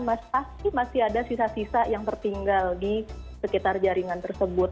masih masih ada sisa sisa yang tertinggal di sekitar jaringan tersebut